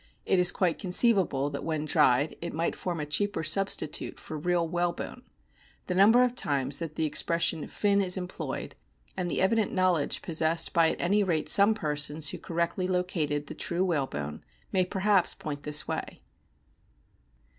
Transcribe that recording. It is quite conceivable that when dried it might form a cheaper substitute for real whalebone ; the number of times that the expression " fin " is employed, and the evident know ledge possessed by at any rate some persons who correctly located the true whalebone, may perhaps point this way.